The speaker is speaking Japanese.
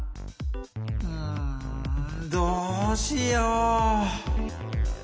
うんどうしよう？